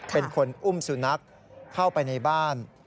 เป็นคนอุ้มสุนัขเข้าไปในบ้าน